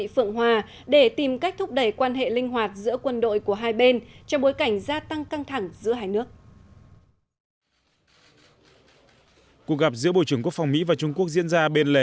cuộc gặp giữa bộ trưởng quốc phòng mỹ và trung quốc diễn ra bên lề